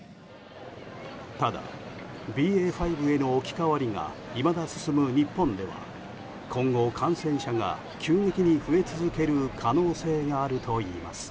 ただ、ＢＡ．５への置き換わりがいまだ進む日本では今後、感染者が急激に増え続ける可能性があるといいます。